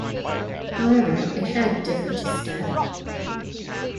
However, it had different styling.